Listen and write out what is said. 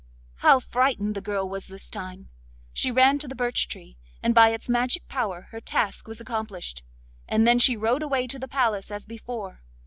How frightened the girl was this time! She ran to the birch tree, and by its magic power her task was accomplished; and then she rode away to the palace as before.